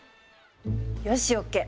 よしＯＫ！